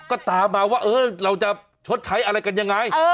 ก็ตามมาว่าเออเราจะชดใช้อะไรกันยังไง